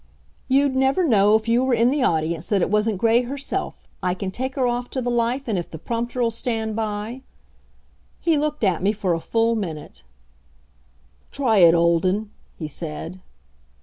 "You'd never know, if you were in the audience, that it wasn't Gray herself. I can take her off to the life, and if the prompter'll stand by " He looked at me for a full minute. "Try it, Olden," he said.